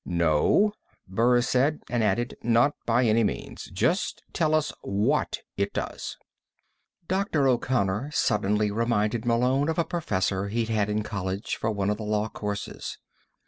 "No," Burris said, and added: "Not by any means. Just tell us what it does." Dr. O'Connor suddenly reminded Malone of a professor he'd had in college for one of the law courses.